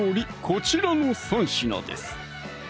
こちらの３品です